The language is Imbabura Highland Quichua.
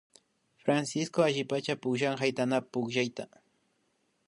Francisco allipachami pukllan haytaypukllayta